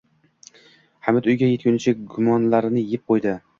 Hamid uyga yetguncha gummalarni yeb qo‘ydi